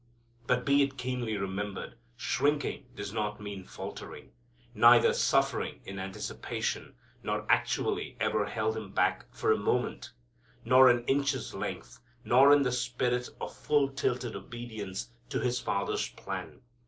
But, be it keenly remembered, shrinking does not mean faltering. Neither suffering in anticipation nor actually ever held Him back for a moment, nor an inch's length, nor in the spirit of full tilted obedience to His Father's plan.